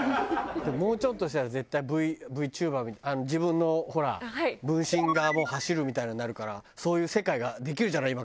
でももうちょっとしたら絶対Ｖチューバー自分のほら分身が走るみたいなのになるからそういう世界ができるじゃない？